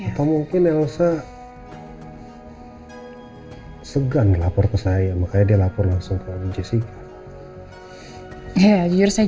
atau mungkin elsa segan lapor ke saya makanya dia lapor langsung ke ibu jessica ya jujur saya